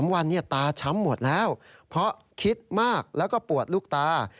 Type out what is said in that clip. วันตาช้ำหมดแล้วเพราะคิดมากแล้วก็ปวดลูกตา